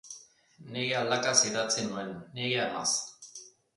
Nire aldakaz idatzi nuen, nire amaz.